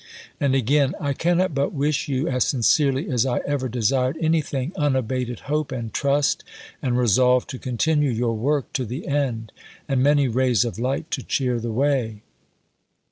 And again: "I cannot but wish you (as sincerely as I ever desired anything) unabated hope and trust and resolve to continue your work to the end, and many rays of light to cheer the way."